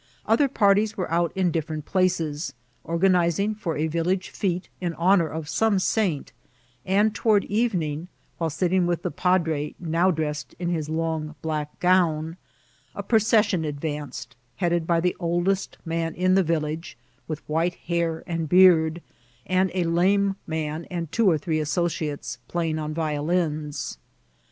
Other parties were out in different places, organizing for a village fftte in honour of some saint ; and toward evening, while sitting with the padre, now dressed in his long black gown, a pro cession advanced, headed by the oldest man in the vil lage, with white hair and beard, and a lame man and two or three associates playing on violins.